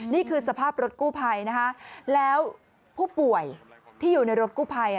นี่คือสภาพรถกู้ภัยนะคะแล้วผู้ป่วยที่อยู่ในรถกู้ภัย